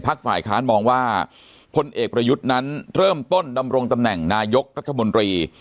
ฝ่ายค้านมองว่าพลเอกประยุทธ์นั้นเริ่มต้นดำรงตำแหน่งนายกรัฐมนตรี